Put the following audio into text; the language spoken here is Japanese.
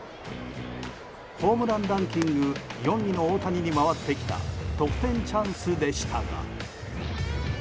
ホームランランキング４位の大谷に回ってきた得点チャンスでしたが。